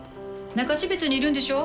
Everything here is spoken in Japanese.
中標津にいるんでしょ？